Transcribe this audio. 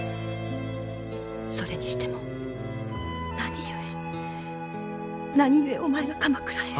それにしても何故何故お前が鎌倉へ。